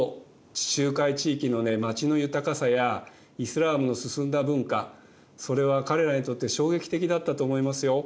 地中海地域のね街の豊かさやイスラームの進んだ文化それは彼らにとって衝撃的だったと思いますよ。